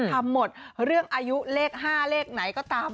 ทำหมดเรื่องอายุเลข๕เลขไหนก็ตาม